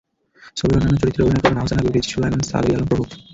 ছবির অন্যান্য চরিত্রে অভিনয় করবেন আহসান হাবিব, রিচি সোলায়মান, সাবেরী আলম প্রমুখ।